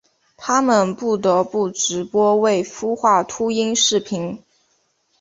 他们不得不直播未孵化秃鹰视频。